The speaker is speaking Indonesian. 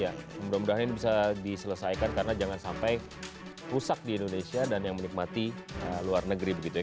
ya mudah mudahan ini bisa diselesaikan karena jangan sampai rusak di indonesia dan yang menikmati luar negeri begitu ya